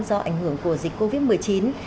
do ảnh hưởng của dịch covid một mươi chín